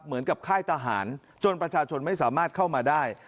ค่ายทหารจนประชาชนไม่สามารถเข้ามาได้